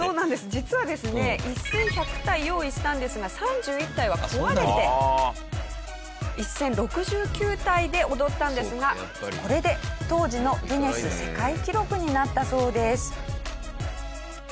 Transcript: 実はですね１１００体用意したんですが３１体は壊れて１０６９体で踊ったんですがこれで当時のギネス世界記録になったそうです。